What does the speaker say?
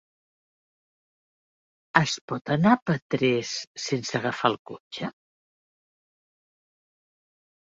Es pot anar a Petrés sense agafar el cotxe?